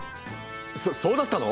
そそうだったの？